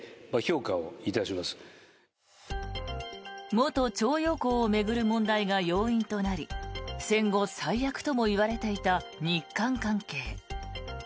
元徴用工を巡る問題が要因となり戦後最悪ともいわれていた日韓関係。